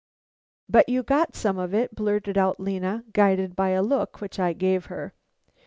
"But you got some of it!" blurted out Lena, guided by a look which I gave her.